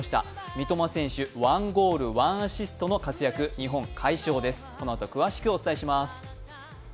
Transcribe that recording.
三笘選手、１ゴール１アシストの活躍、どういうことだ？